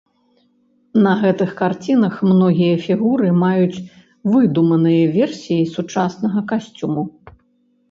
На гэтых карцінах многія фігуры маюць выдуманыя версіі сучаснага касцюму.